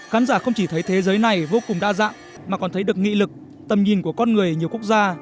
khán giả không chỉ thấy thế giới này vô cùng đa dạng mà còn thấy được nghị lực tầm nhìn của con người ở nhiều quốc gia